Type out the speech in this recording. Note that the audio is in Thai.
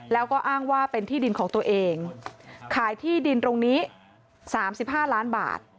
แล้วก็อ้างว่าเป็นที่ดินของตัวเองขายที่ดินตรงนี้๓๕ล้านบาท